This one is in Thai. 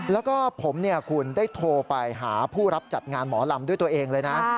แล้วก็ผมคุณได้โทรไปหาผู้รับจัดงานหมอลำด้วยตัวเองเลยนะ